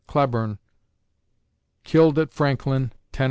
Cleburne killed at Franklin, Tenn.